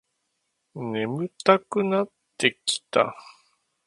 眠たくなってきた